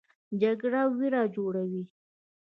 جګړه ویر جوړوي